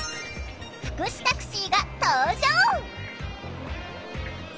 福祉タクシーが登場！